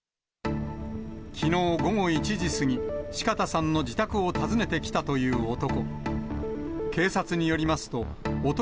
きのう午後１時過ぎ、四方さんの自宅を訪ねてきたという男。